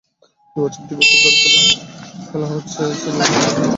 বছর দুই ধরে এখানে ময়লা ফেলা হচ্ছে বলে স্থানীয় চারজন বাসিন্দা জানালেন।